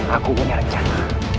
aku punya rencana